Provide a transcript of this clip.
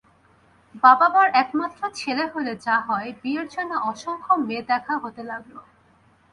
বাবা-মার একমাত্র ছেলে হলে যা হয়-বিয়ের জন্যে অসংখ্য মেয়ে দেখা হতে লাগল।